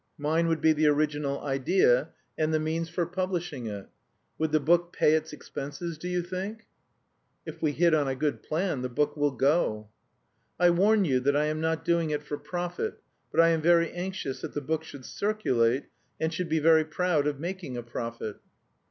Mine would be the original idea and the means for publishing it. Would the book pay its expenses, do you think?" "If we hit on a good plan the book will go." "I warn you that I am not doing it for profit; but I am very anxious that the book should circulate and should be very proud of making a profit."